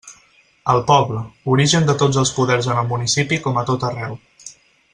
El poble, origen de tots els poders en el municipi com a tot arreu.